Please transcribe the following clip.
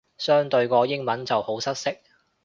相對個英文就好失色